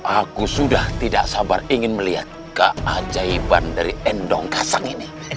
aku sudah tidak sabar ingin melihat keajaiban dari endong kasang ini